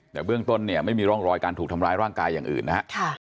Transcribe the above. แต่เบื้องต้นเนี่ยไม่มีร่องรอยการถูกทำร้ายร่างกายอย่างอื่นนะฮะ